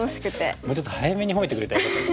もうちょっと早めに褒めてくれたらよかったのに。